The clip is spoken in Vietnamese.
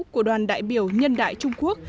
của đoàn đại biểu nhân đại trung quốc